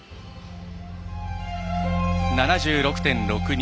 ７６．６２。